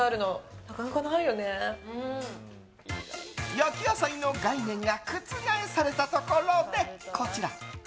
焼き野菜の概念が覆されたところで、こちら。